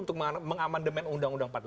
untuk mengamandemen undang undang empat puluh lima